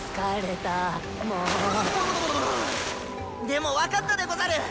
でも分かったでござる！